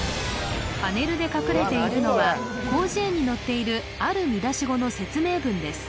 パネルで隠れているのは広辞苑に載っているある見出し語の説明文です